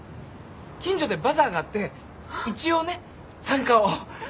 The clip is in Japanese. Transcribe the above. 近所でバザーがあって一応ね参加をバザーです。